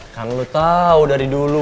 kan lo tau dari dulu